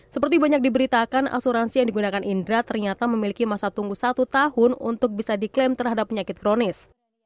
seperti banyak diberitakan asuransi yang digunakan indra ternyata memiliki masa tunggu satu tahun untuk bisa diklaim terhadap penyakit kronis